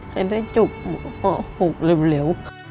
ให้ได้จุบหุกเซลว